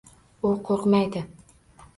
U qo'rqmaydi